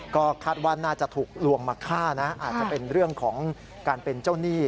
ก็คาดว่าน่าจะถูกลวงมาฆ่านะอาจจะเป็นเรื่องของการเป็นเจ้าหนี้